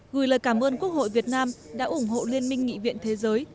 gửi lời cảm ơn quốc hội việt nam đã ủng hộ liên minh nghị viện thế giới